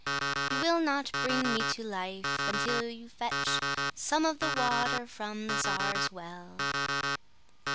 You will not bring me to life until you fetch some of the water from the czar's well."